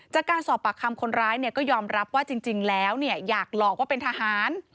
จากการสอบปากคำคนร้ายก็ยอมรับว่าจริงแล้วอยากหลอกว่าเป็นทหาร